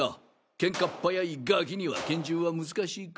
ケンカっ早いガキには拳銃は難しいか？